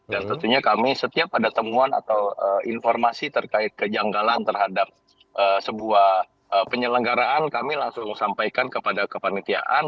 dan tentunya kami setiap ada temuan atau informasi terkait kejanggalan terhadap sebuah penyelenggaraan kami langsung sampaikan kepada kepanitiaan